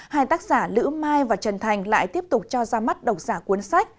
hai tác giả lữ mai và trần thành lại tiếp tục cho ra mắt độc giả cuốn sách